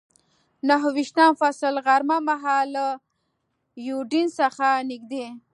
نهه ویشتم فصل، غرمه مهال له یوډین څخه نږدې.